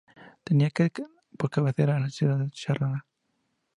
Tenía por cabecera a la ciudad de Charalá.